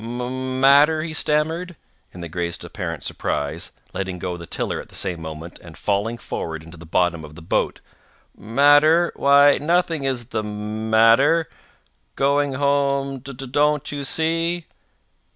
"Matter!" he stammered, in the greatest apparent surprise, letting go the tiller at the same moment, and falling forward into the bottom of the boat—"matter—why, nothing is the—matter—going home—d—d—don't you see?"